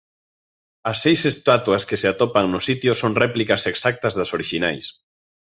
As seis estatuas que se atopan no sitio son réplicas exactas das orixinais.